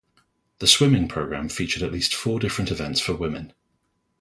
The swimming programme featured at least four different events for women.